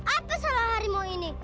apa salah harimau ini